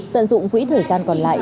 tận dụng quỹ thời gian còn lại